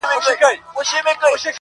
له مودو ستا د دوستی یمه لېواله-